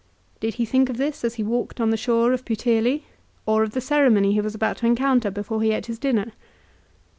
Did he think of this as he walked on the shore of Puteoli, or of the ceremony he was about to encounter before he ate his dinner